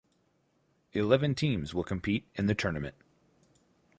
Eleven teams will compete in the tournament.